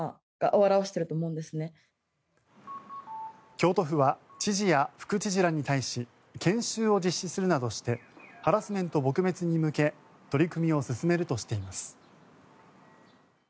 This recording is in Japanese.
京都府は知事や副知事らに対し研修を実施するなどしてハラスメント撲滅に向け取り組みを進めるとしています。